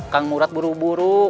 kang murad buru buru